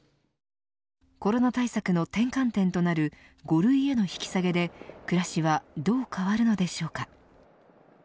コロナ対策の転換点となる５類への引き下げで暮らしはどう変わるのでしょうか。